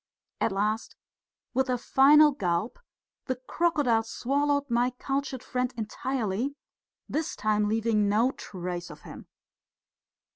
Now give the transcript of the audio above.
At last, with a final gulp, the crocodile swallowed my cultured friend entirely, this time leaving no trace of him.